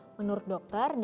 nah kalau ini konsultasi